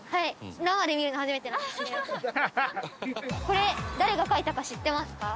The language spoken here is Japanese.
これ誰が書いたか知ってますか？